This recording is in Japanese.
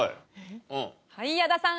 はい矢田さん